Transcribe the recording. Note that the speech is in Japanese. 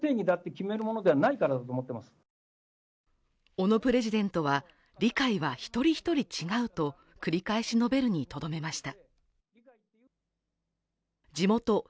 小野プレジデントは理解は１人１人違うと繰り返し述べるにとどめました。